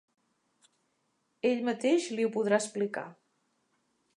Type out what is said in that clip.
Ell mateix li ho podrà explicar.